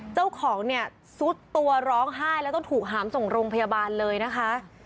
เจ้าของเนี่ยซุดตัวร้องไห้แล้วต้องถูกหามส่งโรงพยาบาลเลยนะคะ